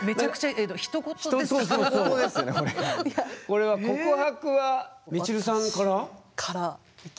これは告白はみちるさんから？